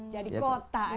jadi kota ya